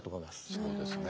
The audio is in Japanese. そうですね。